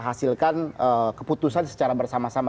hasilkan keputusan secara bersama sama